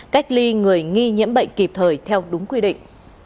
cách ly người nghi nhiễm bệnh kịp thời theo đúng quy định